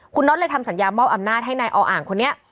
คุณน็อตเลยทำสัญญามอบอำนาจให้นายออ่างคนนี้